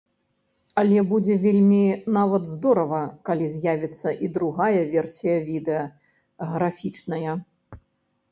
Але будзе вельмі нават здорава, калі з'явіцца і другая версія відэа, графічная!